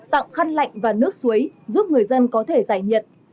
tặng khăn lạnh và nước suối giúp người dân có thể giải nhiệt